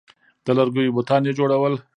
د لرګیو بتان یې جوړول